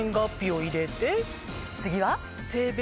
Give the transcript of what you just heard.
次は！